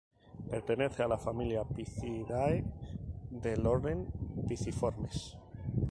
Pertenece a la familia Picidae del orden Piciformes.